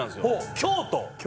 京都。